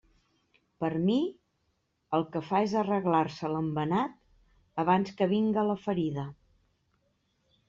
Per a mi, el que fa és arreglar-se l'embenat abans que vinga la ferida.